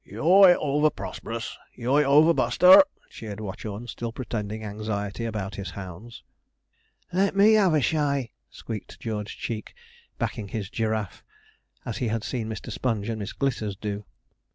'Yooi over, Prosperous! Yooi over, Buster!' cheered Watchorn, still pretending anxiety about his hounds. 'Let me have a shy,' squeaked George Cheek, backing his giraffe, as he had seen Mr. Sponge and Miss Glitters do.